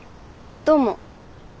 どうも。